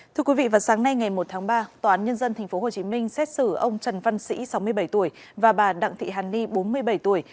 thưa quý vị vào sáng nay ngày một tháng ba tòa án nhân dân tp hcm xét xử ông trần văn sĩ sáu mươi bảy tuổi và bà đặng thị hàn ni bốn mươi bảy tuổi